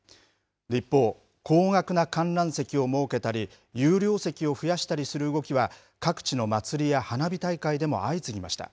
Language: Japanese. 一方、高額な観覧席を設けたり、有料席を増やしたりする動きは、各地の祭りや花火大会でも相次ぎました。